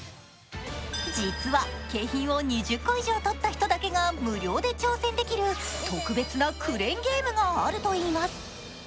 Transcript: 実は景品を２０個以上取った人だけが無料で挑戦できる特別なクレーンゲームがあるといいます。